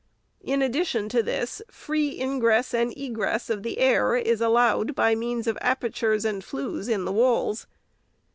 In addition to this, free ingress and egress of the air is allowed, by means of apertures and flues in the walls.